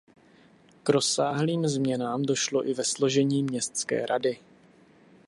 K rozsáhlým změnám došlo i ve složení městské rady.